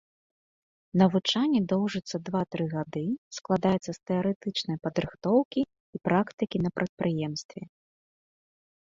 Навучанне доўжыцца два-тры гады, складаецца з тэарэтычнай падрыхтоўкі і практыкі на прадпрыемстве.